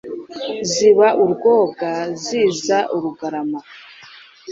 Ziba urwoga ziza Urugarama